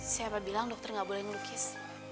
siapa bilang dokter gak boleh melukis